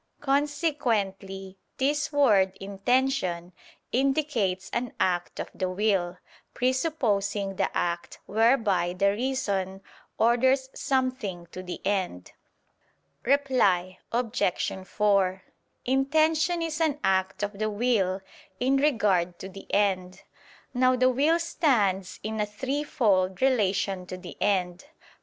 Consequently this word "intention" indicates an act of the will, presupposing the act whereby the reason orders something to the end. Reply Obj. 4: Intention is an act of the will in regard to the end. Now the will stands in a threefold relation to the end.